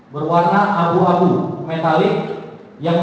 kemudian korban dsh berduduk sandar